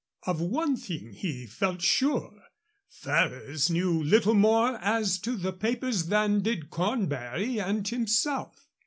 Of one thing he felt sure, Ferrers knew little more as to the papers than did Cornbury and himself.